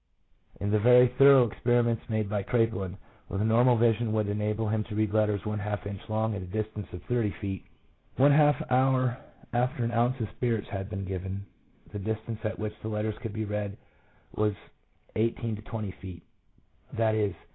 In the very thorough experi ments made by Kraepelin, where the normal vision would enable him to read letters one half inch long at a distance of thirty feet, one half hour after an ounce of spirits had been given, the distance at which the letters could be read was eighteen to twenty feet — i.e.